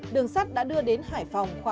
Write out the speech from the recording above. đường sắt đã đưa đến hải phòng